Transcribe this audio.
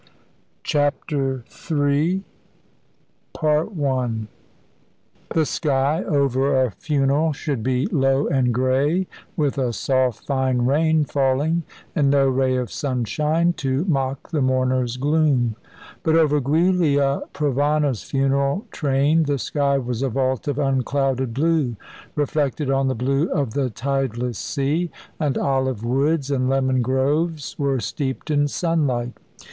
CHAPTER III The sky over a funeral should be low and grey, with a soft, fine rain falling, and no ray of sunshine to mock the mourners' gloom; but over Giulia Provana's funeral train the sky was a vault of unclouded blue, reflected on the blue of the tideless sea, and olive woods and lemon groves were steeped in sunlight.